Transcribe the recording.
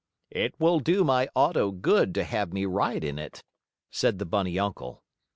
"It will do my auto good to have me ride in it," said the bunny uncle.